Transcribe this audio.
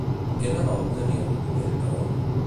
Què no va obtenir el document, però?